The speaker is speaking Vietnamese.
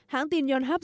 hãng tin nhân háp